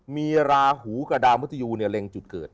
มีราหูกับดาวมุทยูเนี่ยเร็งจุดเกิด